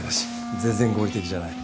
全然合理的じゃない。